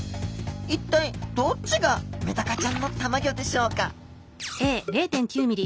一体どっちがメダカちゃんのたまギョでしょうか？